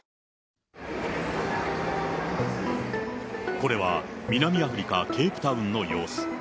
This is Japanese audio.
これは南アフリカ・ケープタウンの様子。